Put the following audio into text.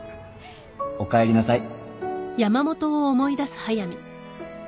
おかえりなさい